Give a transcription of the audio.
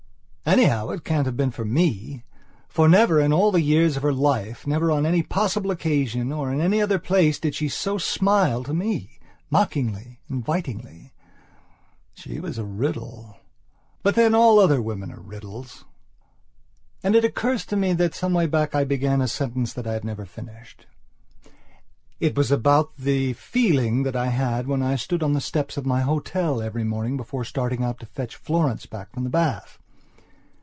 Anyhow, it can't have been for me, for never, in all the years of her life, never on any possible occasion, or in any other place did she so smile to me, mockingly, invitingly. Ah, she was a riddle; but then, all other women are riddles. And it occurs to me that some way back I began a sentence that I have never finished... It was about the feeling that I had when I stood on the steps of my hotel every morning before starting out to fetch Florence back from the bath.